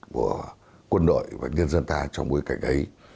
của quân đội và nhân dân ta trong bối cảnh ấy